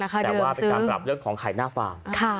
แต่ว่าเป็นการปรับเรื่องของไข่หน้าฟาร์ม